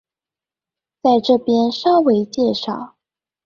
在這邊稍微介紹